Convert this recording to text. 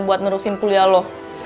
buat nerusin kuliah lo